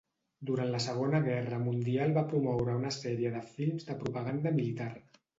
Durant la Segona Guerra Mundial va promoure una sèrie de films de propaganda militar.